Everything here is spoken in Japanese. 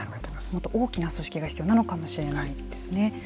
もっと大きな組織が必要なのかもしれないですね。